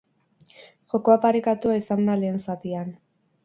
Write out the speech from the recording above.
Jokoa parekatua izan da lehen zatian.